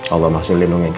allah masih lindungi kamu